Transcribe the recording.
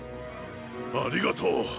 ありがとう。